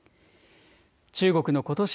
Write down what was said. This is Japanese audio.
中国のことし